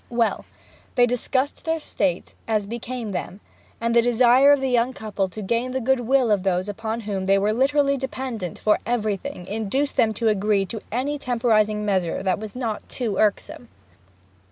Well, they discussed their state as became them, and the desire of the young couple to gain the goodwill of those upon whom they were literally dependent for everything induced them to agree to any temporizing measure that was not too irksome.